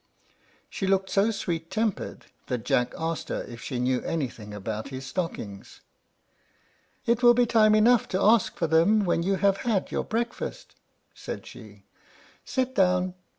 She looked so sweet tempered that Jack asked her if she knew anything about his stockings. "It will be time enough to ask for them when you have had your breakfast," said she. "Sit down.